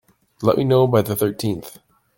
Let me know by the thirteenth.